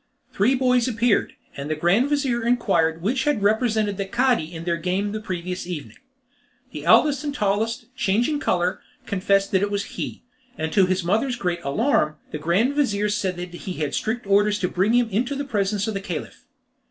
Three boys appeared, and the grand vizir inquired which had represented the Cadi in their game of the previous evening. The eldest and tallest, changing colour, confessed that it was he, and to his mother's great alarm, the grand vizir said that he had strict orders to bring him into the presence of the Caliph.